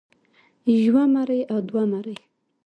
يوه مرۍ او دوه مرۍ